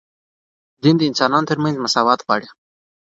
دین د انسانانو ترمنځ مساوات غواړي